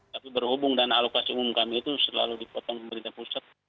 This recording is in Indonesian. tapi berhubung dan alokasi umum kami itu selalu dipotong pemerintah pusat